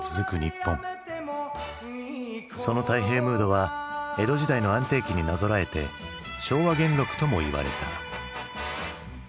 その太平ムードは江戸時代の安定期になぞらえて「昭和元禄」ともいわれた。